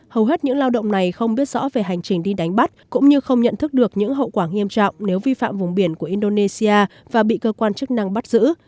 hầu hết những lao động này không biết rõ về hành trình đi đánh bắt cũng như không nhận thức được những hậu quả nghiêm trọng nếu vi phạm vùng biển của indonesia và bị cơ quan chức năng bắt giữ